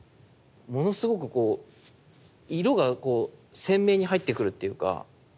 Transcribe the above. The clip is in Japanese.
ものすごくこう色がこう鮮明に入ってくるっていうか。